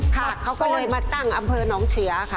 ค่ะเขาก็เลยมาตั้งอำเภอหนองเสียค่ะ